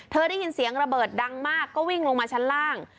ได้ยินเสียงระเบิดดังมากก็วิ่งลงมาชั้นล่าง